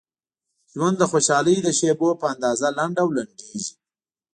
ژوند د خوشحالۍ د شیبو په اندازه لنډ او لنډیږي.